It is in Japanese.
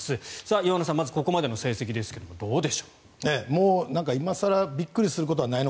岩村さん、ここまでの成績ですがどうでしょう。